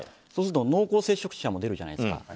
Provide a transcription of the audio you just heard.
そうすると濃厚接触者も出るじゃないですか。